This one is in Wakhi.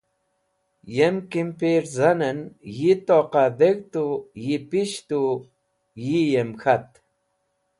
Yem kampirzanen yi toqa dheg̃hd tu, yi pish tu, yi yem k̃hat.